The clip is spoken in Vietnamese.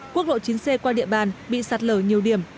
quốc lộ chín c qua địa bàn bị sạt lở nhiều điểm